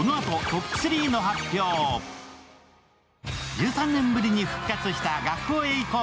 １３年ぶりに復活した「学校へ行こう！